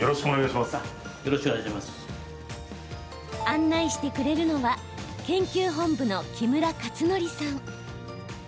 案内してくれるのは研究本部の木村勝紀さん。